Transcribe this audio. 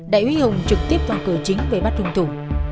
đại huy hùng trực tiếp toàn cửa chính về bắt đung thủ